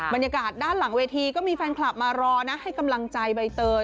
บรรยากาศด้านหลังเวทีก็มีแฟนคลับมารอนะให้กำลังใจใบเตย